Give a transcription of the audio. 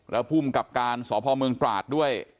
และผู้มกับการสพเมืองปราศด้วย